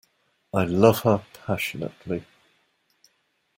I love her passionately.